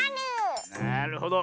なるほど。